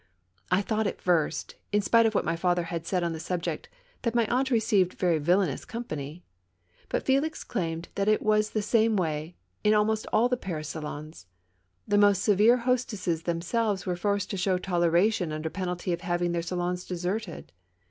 I thought at first, in spite of what my father had said on the sub ject, that my aunt received very villainous company. But Fdlix claimed that it was the same way in almost all the Parisian salons. The most severe hostesses them selves were forced to show toleration under penalty of having their salons deserted.